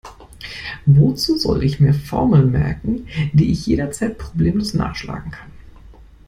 Wozu soll ich mir Formeln merken, die ich jederzeit problemlos nachschlagen kann?